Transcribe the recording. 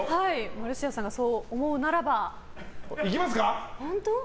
マルシアさんがそう思うならば。